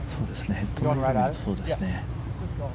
ヘッドを見るとそうですね。